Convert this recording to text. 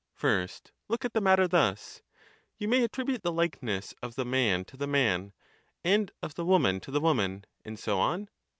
First look at the matter thus : you may attribute the likeness of the man to the man, and of the woman to the woman ; and so on?